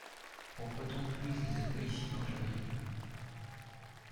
Pourquoi donc Louise n’est-elle pas ici quand j’arrive ?